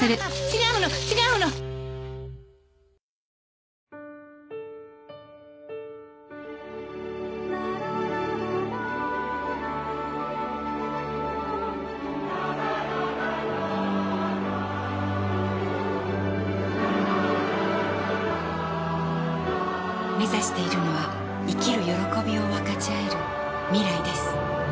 ラララめざしているのは生きる歓びを分かちあえる未来です